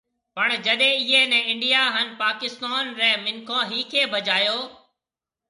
پڻ جڏي ايئي ني انڊيا ھان پاڪستون ري منکون ۿيکي بجايو